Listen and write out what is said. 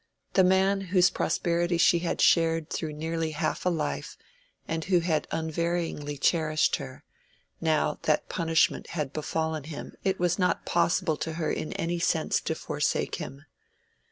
The man whose prosperity she had shared through nearly half a life, and who had unvaryingly cherished her—now that punishment had befallen him it was not possible to her in any sense to forsake him.